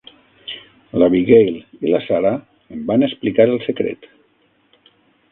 L'Abigail i la Sara em van explicar el secret.